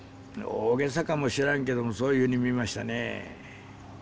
大げさかもしらんけどもそういうふうに見ましたね。